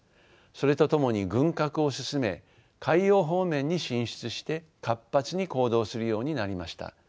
それとともに軍拡を進め海洋方面に進出して活発に行動するようになりました。